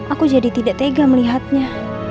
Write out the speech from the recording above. aku jadi tidak tega melihatnya